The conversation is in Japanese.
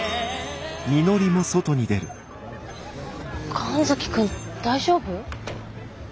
神崎君大丈夫？